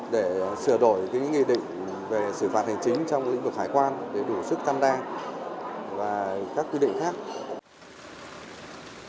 để sửa đổi những nghị định về xử phạt hành chính trong lĩnh vực hải quan để đủ sức tăng đa và các quy định khác